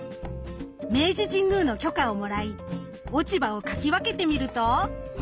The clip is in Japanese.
明治神宮の許可をもらい落ち葉をかき分けて見ると。